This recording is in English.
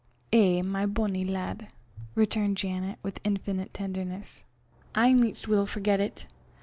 "Eh, my bonnie laad!" returned Janet with infinite tenderness, "I micht weel forget it!